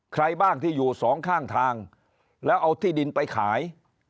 ใครบ้างที่อยู่สองข้างทางแล้วเอาที่ดินไปขาย